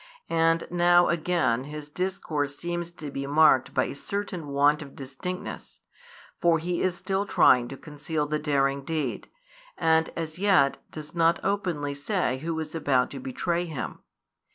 And now again His discourse seems to be marked by a certain want of distinctness: for He is still trying to conceal |192 the daring deed, and as yet does not openly say who is about to betray Him.